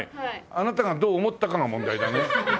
あなたがどう思ったかが問題だね。